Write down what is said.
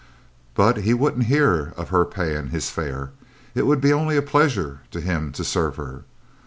But he wouldn't hear of her paying his fare it would be only a pleasure to him to serve her.